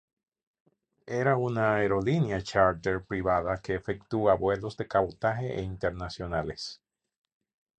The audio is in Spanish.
Era una aerolínea chárter privada que efectúa vuelos de cabotaje e internacionales.